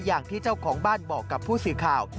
อย่างที่เจ้าของบ้านบอกกับผู้สื่อข่าว